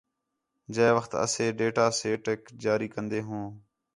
جے وخت اسے ڈیٹا سیٹیک جاری کندے ہوں